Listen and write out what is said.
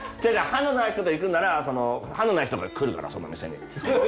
歯のない人と行くなら歯のない人が来るからその店に。